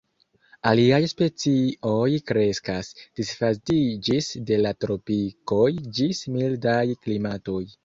Aliaj specioj kreskas, disvastiĝis de la tropikoj ĝis mildaj klimatoj.